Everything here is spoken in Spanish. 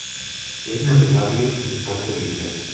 Es navegable en su parte oriental.